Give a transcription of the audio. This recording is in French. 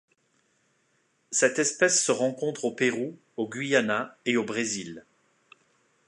Cette espèce se rencontre au Pérou, au Guyana et au Brésil.